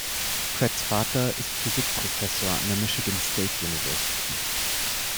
Pratts Vater ist Physikprofessor an der Michigan State University.